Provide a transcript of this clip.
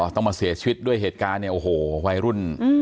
ต้องมันเสียชีวิตด้วยเหตุการณ์ในไว้รุ่น